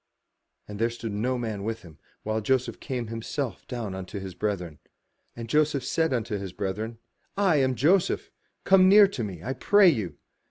'* And there stood no man with him, while Joseph came himself down unto his brethren. And Joseph said unto his brethren, "I am Joseph; come near to me, I pray you.